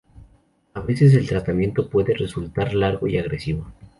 A veces el tratamiento puede resultar largo y agresivo.